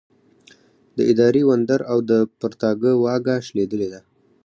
د اداري وندر او د پرتاګه واګه شلېدلې ده.